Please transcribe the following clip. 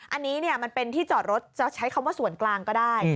อันนี้มันเป็นที่จอดรถจะใช้คำว่าส่วนกลางก็ได้